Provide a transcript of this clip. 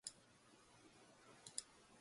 d ヴぁ h じゃ fh じゃ g か」